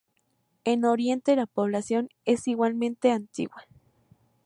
En Oriente la población es igualmente antigua.